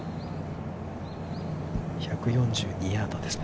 １４２ヤードですね。